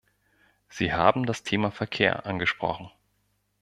Sie haben das Thema Verkehr angesprochen.